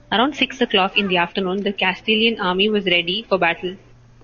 Around six o'clock in the afternoon the Castilian army was ready for battle.